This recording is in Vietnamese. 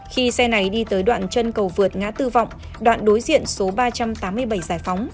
khi xe này đi tới đoạn chân cầu vượt ngã tư vọng đoạn đối diện số ba trăm tám mươi bảy giải phóng